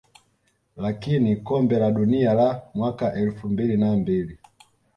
lakini kombe la dunia la mwaka elfu mbili na mbili